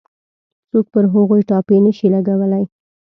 څوک پر هغوی ټاپې نه شي لګولای.